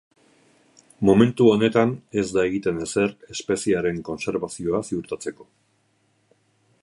Momentu honetan ez da egiten ezer espeziearen kontserbazioa ziurtatzeko.